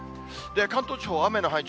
関東地方、雨の範囲